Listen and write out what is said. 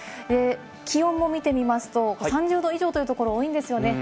気温も見てみますと、３０度以上というところ多いんですよね。